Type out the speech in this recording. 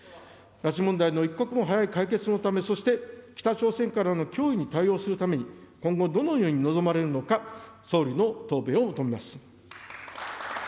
拉致問題の一刻も早い解決のため、そして北朝鮮からの脅威に対応するために、今後どのように臨まれるのか、総理の答弁を求めます。